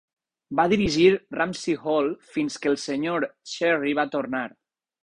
Va dirigir Rumsey Hall fins que el Sr Sherry va tornar.